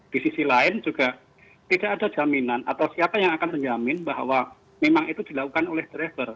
di sisi lain juga tidak ada jaminan atau siapa yang akan menjamin bahwa memang itu dilakukan oleh driver